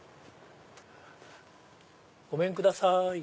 ごめんください。